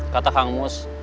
kata kang mus